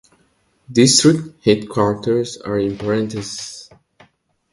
District headquarters are in parentheses.